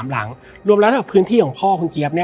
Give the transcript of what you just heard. และวันนี้แขกรับเชิญที่จะมาเชิญที่เรา